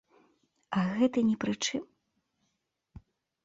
А гэты не пры чым?